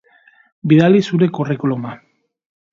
Bidali zure curriculum-a.